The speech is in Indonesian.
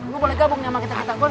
lu boleh gabung sama kita